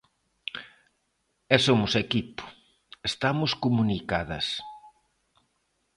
E somos equipo, estamos comunicadas.